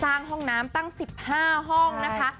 ห้องน้ำตั้ง๑๕ห้องนะคะ